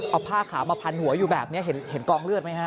เอาผ้าขาวมาพันหัวอยู่แบบนี้เห็นกองเลือดไหมฮะ